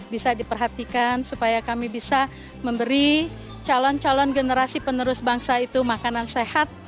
bisa diperhatikan supaya kami bisa memberi calon calon generasi penerus bangsa itu makanan sehat